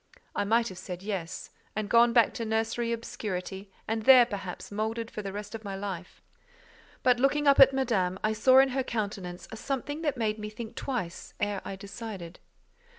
I might have said "Yes," and gone back to nursery obscurity, and there, perhaps, mouldered for the rest of my life; but looking up at Madame, I saw in her countenance a something that made me think twice ere I decided.